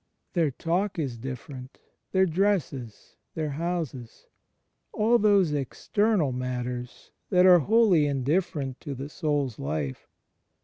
Their talk is different, their dresses, their houses — all those external matters that are wholly indifferent to the soul's life.